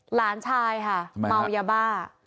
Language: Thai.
หลานชายค่ะเมายาบ้า